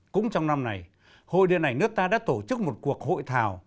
cũng trong năm này hội điện ảnh nước ta đã tổ chức một cuộc hội thảo